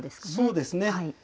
そうですね。